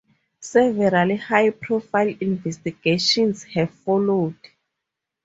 Several high profile investigations have followed.